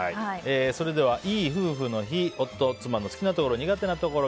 それでは、いい夫婦の日夫・妻の好きなところ・苦手なところ。